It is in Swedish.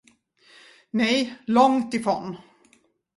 Nej, långt ifrån.